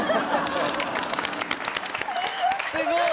・すごい！